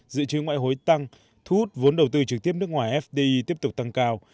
dự trữ ngoại hối tăng thu hút vốn đầu tư trực tiếp nước ngoài fdi tiếp tục tăng cao